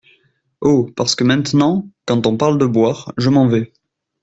Oh ! parce que maintenant, quand on parle de boire, je m’en vais !